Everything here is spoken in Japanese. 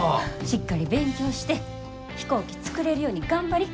しっかり勉強して飛行機作れるように頑張り。